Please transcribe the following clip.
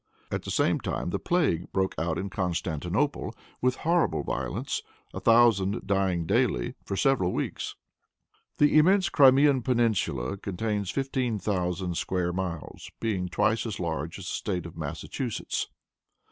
At the same time the plague broke out in Constantinople with horrible violence, a thousand dying daily, for several weeks. The immense Crimean peninsula contains fifteen thousand square miles, being twice as large as the State of Massachusetts.